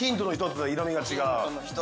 色味が違う。